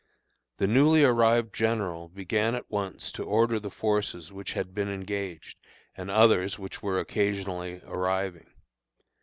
The newly arrived general began at once to order the forces which had been engaged and others which were occasionally arriving.